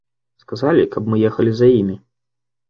Сказалі, каб мы ехалі за імі.